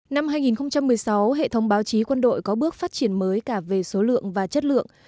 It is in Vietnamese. năm hai nghìn một mươi sáu hệ thống báo chí quân đội có bước phát triển mới cả về số lượng và chất lượng